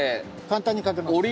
簡単にかけます。